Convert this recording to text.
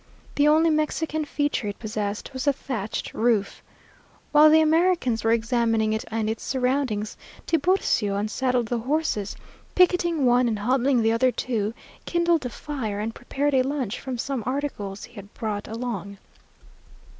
The only Mexican feature it possessed was the thatched roof. While the Americans were examining it and its surroundings, Tiburcio unsaddled the horses, picketing one and hobbling the other two, kindled a fire, and prepared a lunch from some articles he had brought along.